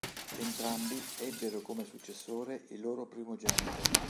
Entrambi ebbero come successore il loro primogenito.